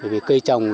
vì cây trồng